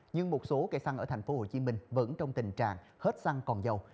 nhưng một số cây xăng ở thành phố hồ chí minh vẫn trong tình trạng hết xăng còn dầu